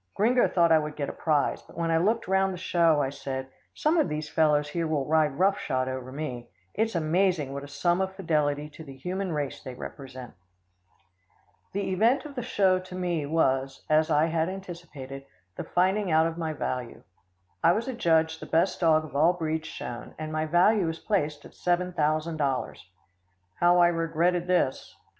Gringo thought I would get a prize, but when I looked round the show, I said, "Some of these fellows here will ride rough shod over me. It's amazing what a sum of fidelity to the human race they represent." The event of the show to me was, as I had anticipated, the finding out of my value. I was adjudged the best dog of all breeds shown, and my value was placed at seven thousand dollars. How I regretted this.